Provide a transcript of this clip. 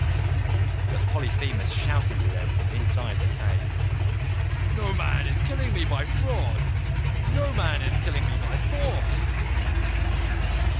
"But Polyphemus shouted to them from inside the cave, 'Noman is killing me by fraud; no man is killing me by force.